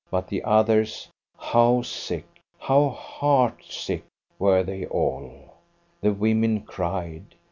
But the others, how sick, how heart sick, were they all! The women cried.